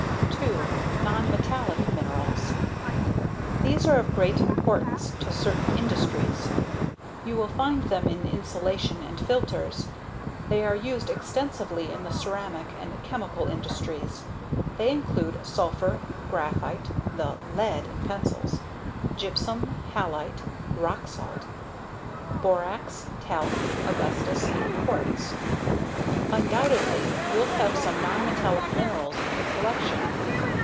2. NONMETALLIC MINERALS. These are of great importance to certain industries. You will find them in insulation and filters. They are used extensively in the ceramic and chemical industries. They include sulfur, graphite (the "lead" in pencils), gypsum, halite (rock salt), borax, talc, asbestos and quartz. Undoubtedly, you'll have some nonmetallic minerals in your collection.